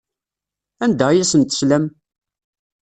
Anda ay asen-teslam?